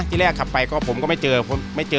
ที่แรกขับไปก็ผมก็ไม่เจอไม่เจอ